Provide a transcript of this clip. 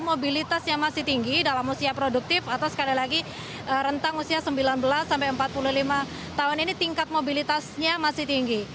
mobilitas yang masih tinggi dalam usia produktif atau sekali lagi rentang usia sembilan belas sampai empat puluh lima tahun ini tingkat mobilitasnya masih tinggi